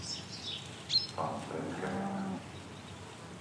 Fa un fred que pela.